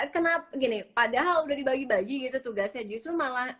kenapa gini padahal udah dibagi bagi gitu tugasnya justru malah